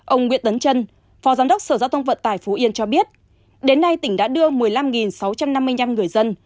ông nguyễn tấn trân phó giám đốc sở giao thông vận tải phú yên cho biết đến nay tỉnh đã đưa một mươi năm sáu trăm năm mươi năm người dân